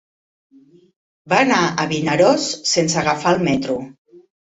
Va anar a Vinaròs sense agafar el metro.